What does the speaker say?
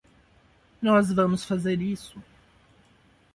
Nós vamos fazer isso.